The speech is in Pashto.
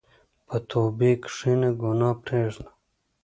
په توبې کښېنه، ګناه پرېږده.